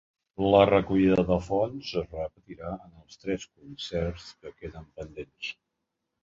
La recollida de fons es repetirà en els tres concerts que queden pendents.